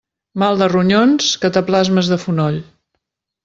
Mal de ronyons, cataplasmes de fonoll.